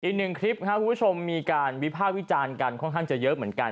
อีกหนึ่งคลิปครับคุณผู้ชมมีการวิภาควิจารณ์กันค่อนข้างจะเยอะเหมือนกัน